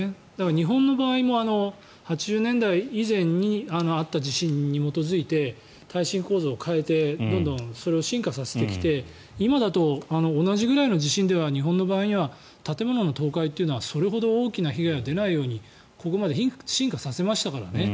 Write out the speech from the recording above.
日本の場合も８０年代以前にあった地震に基づいて耐震構造を変えてどんどんそれを進化させてきて今だと同じぐらいの地震では日本の場合には建物の倒壊というのはそれほど大きな被害が出ないようにここまで進化させましたからね。